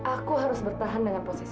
aku harus bertahan dengan posisi